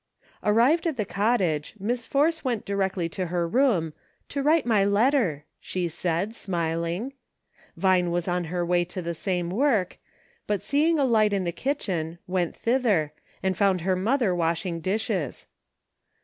Arrived at the cottage, Miss Force went directly to her room, "to write my letter," she said, smil ing. Vine was on her way to the same work, but seeing a light in the kitchen, went thither, and found her mother washing dishes.